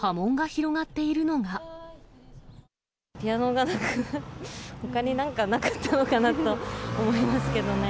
ピアノがなくなっちゃうの、ほかになんかなかったのかなと思いますけどね。